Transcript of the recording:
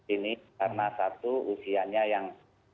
ini karena satu usianya yang